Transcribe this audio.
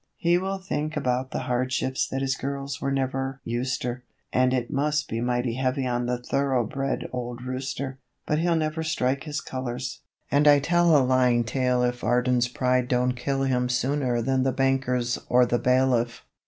He will think about the hardships that his girls were never 'useter,' And it must be mighty heavy on the thoroughbred old rooster; But he'll never strike his colours, and I tell a lying tale if Varden's pride don't kill him sooner than the bankers or the bailiff.